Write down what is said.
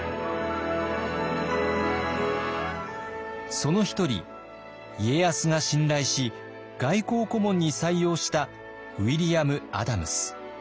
その一人家康が信頼し外交顧問に採用したウィリアム・アダムス。